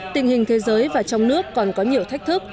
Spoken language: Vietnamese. tình hình thế giới và trong nước còn có nhiều thách thức